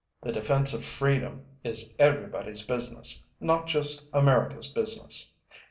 The defense of freedom is everybodyÆs business not just AmericaÆs business.